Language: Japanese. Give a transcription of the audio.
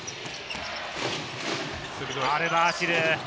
アルバーシル。